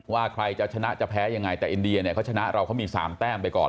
ว่าใครจะชนะจะแพ้ยังไงแต่อินเดียเนี่ยเขาชนะเราเขามี๓แต้มไปก่อน